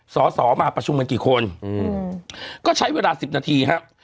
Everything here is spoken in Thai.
สอสอมาประชุมกันกี่คนอืมก็ใช้เวลาสิบนาทีฮะ